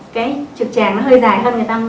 cái trực tràng nó hơi dài hơn